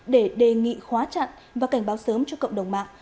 để đề nghị khóa chặn và cảnh báo sớm cho cộng đồng mạng